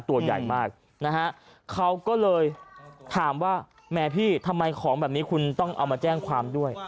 ตัวใหญ่มากนะฮะเขาก็เลยถามว่าแม่พี่ทำไมของแบบนี้คุณต้องเอามาแจ้งความด้วย